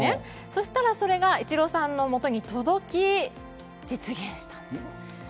そしたらそれがイチローさんのもとに届き実現したんです。